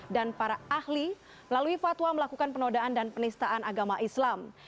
dan para ahli lalui fatwa melakukan penodaan dan penistaan agama islam